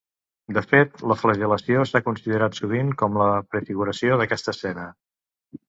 De fet, la flagel·lació s'ha considerat sovint com la prefiguració d'aquesta escena.